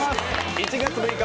１月６日